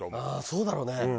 ああそうだろうね。